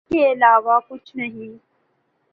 اس کے علاوہ کچھ نہیں۔